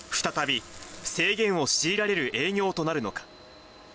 再び制限を強いられる営業となるのか。